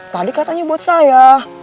tadi katanya buat saya